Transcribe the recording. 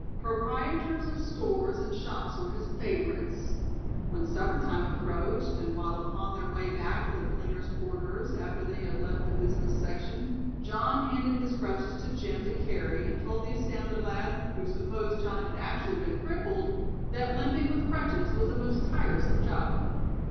Proprietors of stores and shops were his favorites. When supper time approached and while upon their way back to the plingers' quarters, after they had left the business section, John handed his crutches to Jim to carry, and told the astounded lad, who supposed John had actually been crippled, that limping with crutches was a "most tiresome job."